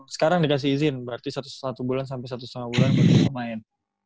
sekarang dikasih izin berarti satu bulan sampai satu setengah bulan gue bisa main